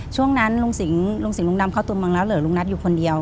ช่วงนั้นลุงสิงหลุงดำเข้าตัวเมืองแล้วเหลือลุงนัทอยู่คนเดียว